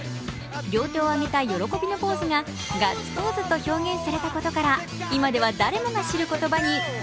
両手を上げた喜びのポーズがガッツポーズと表現されたことから、今では誰もが知る言葉に。